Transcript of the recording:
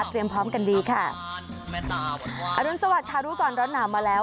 เตรียมพร้อมกันดีค่ะอรุณสวัสดค่ะดูก่อนร้อนหนาวมาแล้ว